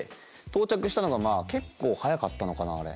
到着したのが結構早かったのかな。